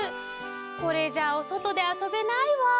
これじゃおそとであそべないわ。